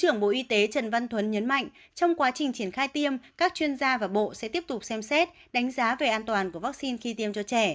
ông thuấn nhấn mạnh trong quá trình triển khai tiêm các chuyên gia và bộ sẽ tiếp tục xem xét đánh giá về an toàn của vaccine khi tiêm cho trẻ